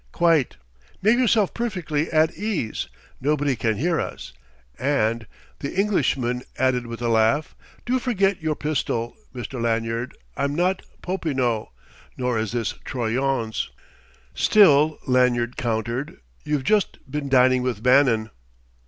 "Quite: make yourself perfectly at ease; nobody can hear us. And," the Englishman added with a laugh, "do forget your pistol, Mr. Lanyard. I'm not Popinot, nor is this Troyon's." "Still," Lanyard countered, "you've just been dining with Bannon."